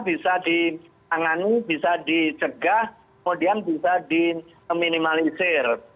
bisa ditangani bisa dicegah kemudian bisa diminimalisir